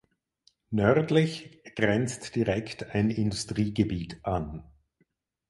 Nördlich grenzt direkt ein Industriegebiet an.